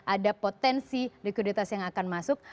ada potensi likuiditas yang akan masuk